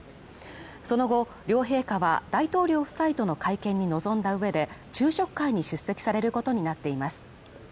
その後、両陛下は、大統領夫妻との会見に臨んだ上で昼食会に出席されることになっています